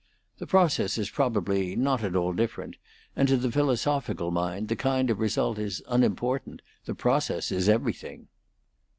The process is probably not at all different, and to the philosophical mind the kind of result is unimportant; the process is everything.